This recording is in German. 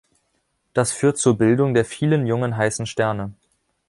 Das führt zur Bildung der vielen jungen heißen Sterne.